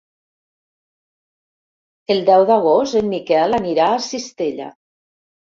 El deu d'agost en Miquel anirà a Cistella.